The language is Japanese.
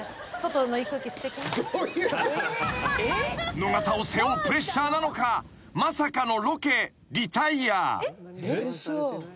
［野方を背負うプレッシャーなのかまさかのロケリタイア］